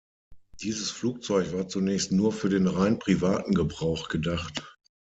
Dieses Flugzeug war zunächst nur für den rein privaten Gebrauch gedacht.